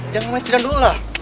jangan sedang dulu lah